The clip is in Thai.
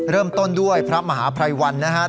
เริ่มต้นด้วยพระมหาภัยวันนะครับ